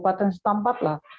tempatan setempat lah